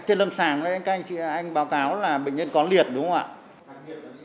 trên lâm sàng anh báo cáo là bệnh nhân có liệt đúng không ạ